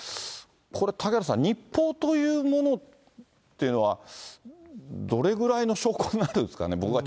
これ、嵩原さん、日報というものというのは、どれぐらいの証拠になるんですかね。